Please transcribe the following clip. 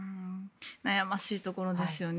悩ましいところですよね。